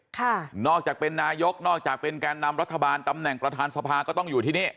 ค่ะนอกจากเป็นนายกนอกจากเป็นแกนนำรัฐบาลตำแหน่งประธานสภาก็ต้องอยู่ที่นี่